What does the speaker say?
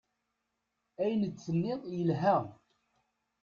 Ayen-d-tenniḍ yelha.